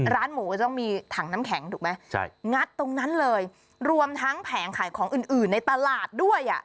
ร้านหมูก็ต้องมีถังน้ำแข็งถูกไหมใช่งัดตรงนั้นเลยรวมทั้งแผงขายของอื่นอื่นในตลาดด้วยอ่ะ